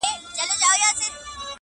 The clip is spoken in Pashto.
قانون هم کمزوری ښکاري دلته